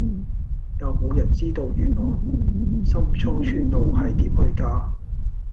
有無人知道元朗深涌村路係點去㗎